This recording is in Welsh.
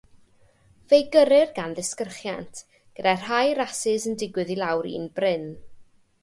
Fe'u gyrrir gan ddisgyrchiant, gyda rhai rasys yn digwydd i lawr un bryn.